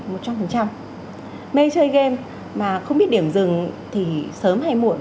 mây chơi game mà không biết điểm dừng thì sớm hay muộn